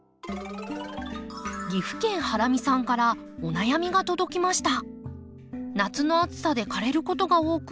岐阜県ハラミさんからお悩みが届きました。